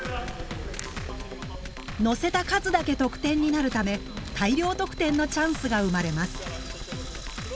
のせた数だけ得点になるため大量得点のチャンスが生まれます。